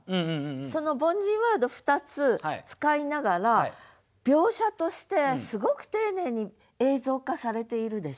その凡人ワード２つ使いながら描写としてすごく丁寧に映像化されているでしょ？